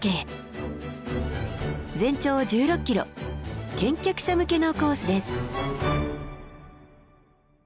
全長１６ｋｍ健脚者向けのコースです。